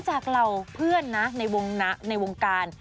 จากเราเพื่อนนะในวงนะในวงการ